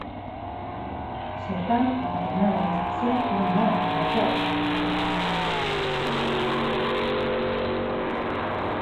Seopan, a patronal da construción, non é unha calquera.